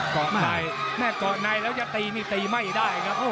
กอดในแม่กอดในแล้วจะตีนี่ตีไม่ได้นะครับ